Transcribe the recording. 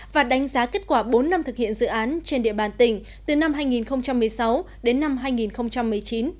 và đánh giá kết quả bốn năm thực hiện dự án trên địa bàn tỉnh từ năm hai nghìn một mươi sáu đến năm hai nghìn một mươi chín